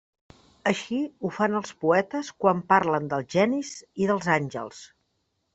Així ho fan els poetes quan parlen dels genis i dels àngels.